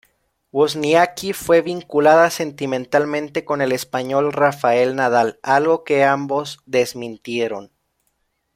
Wozniacki fue vinculada sentimentalmente con el español Rafael Nadal, algo que ambos desmintieron.